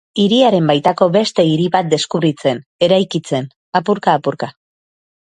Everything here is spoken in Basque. Hiriaren baitako beste hiri bat deskubritzen, eraikitzen, apurka-apurka.